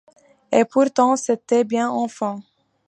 Et pourtant c'était bien enfant !